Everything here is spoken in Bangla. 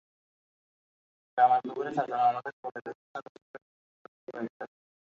গ্রামের পুকুরে চাচা মামাদের কোলে ভেসে সাঁতার শেখার চেষ্টা চালায় কয়েকটা দিন।